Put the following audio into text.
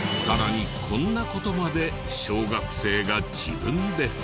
さらにこんな事まで小学生が自分で。